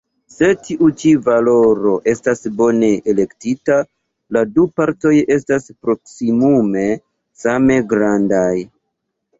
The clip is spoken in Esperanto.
Se tiu ĉi valoro estas bone elektita, la du partoj estas proksimume same grandaj.